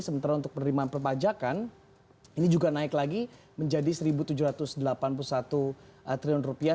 sementara untuk penerimaan perpajakan ini juga naik lagi menjadi satu tujuh ratus delapan puluh satu triliun rupiah